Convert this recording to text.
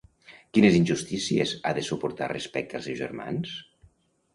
Quines injustícies ha de suportar respecte als seus germans?